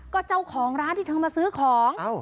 ก็เจ้าของร้านที่เธอมาซื้อของ